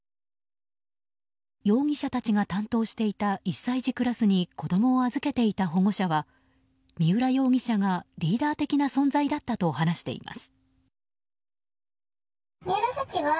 容疑者たちが担当していた１歳児クラスに子供を預けていた保護者は三浦容疑者がリーダー的な存在だったと話しています。